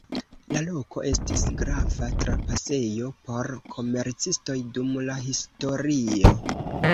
La loko estis grava trapasejo por komercistoj dum la historio.